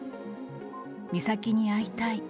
美咲に会いたい。